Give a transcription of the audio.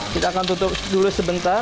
kita akan tutup dulu sebentar